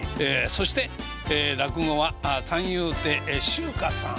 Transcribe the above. そして落語は三遊亭志う歌さん。